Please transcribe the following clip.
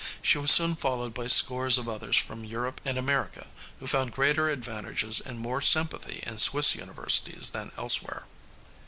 She was soon followed by scores of others from Europe and America, who found greater advantages and more sympathy in Swiss universities than elsewhere.